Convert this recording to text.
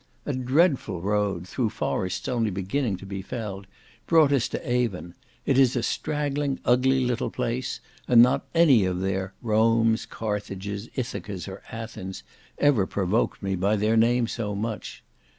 A dreadful road, through forests only beginning to be felled, brought us to Avon; it is a straggling, ugly little place, and not any of their "Romes, Carthages, Ithacas, or Athens," ever provoked me by their name so much.